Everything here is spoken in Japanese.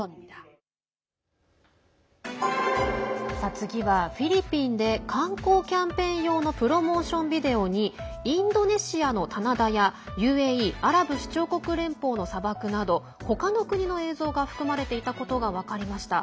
次は、フィリピンで観光キャンペーン用のプロモーションビデオにインドネシアの棚田やＵＡＥ＝アラブ首長国連邦の砂漠など他の国の映像が含まれていたことが分かりました。